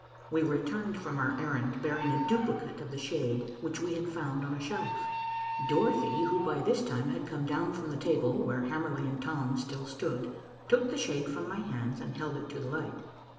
We returned from our errand, bearing a duplicate of the shade which we had found on a shelf. Dorothy, who by this time had come down from the table where Hamerly and Tom still stood, took the shade from my hands and held it to the light.